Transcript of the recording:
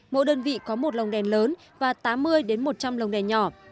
mỗi đơn vị có một lồng đèn lớn và tám mươi một trăm linh lồng đèn nhỏ